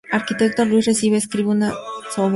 Arquitecto Luis Ríos, escribe una obra sobre la misma.